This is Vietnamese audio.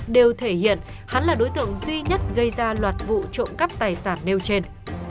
đều thể hiện hắn là đối tượng duy nhất gây ra loạt vụ trộm cắp tài sản nêu trên